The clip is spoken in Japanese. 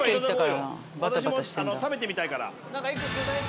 私も食べてみたいから。